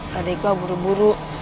tadi iqbal buru buru